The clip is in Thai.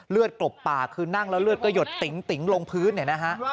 เลือดกรบป่าคือนั่งแล้วเลือดก็หยดติ๋งลงพื้นเนี่ยนะฮะ